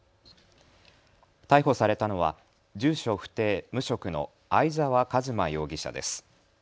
逮捕されたのは住所不定・無職の相澤一馬容疑者です。